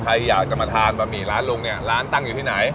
ใครอยากจะมาทานบะหมี่ร้านลุงเนี่ยร้านตั้งอยู่ที่ไหน